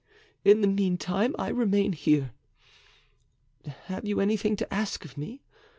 In the meantime, I remain here. Have you anything to ask of me?